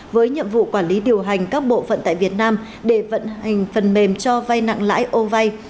với nhiệm vụ quản lý điều hành các bộ phận tại việt nam để vận hành phần mềm cho vay nặng lãi ô vay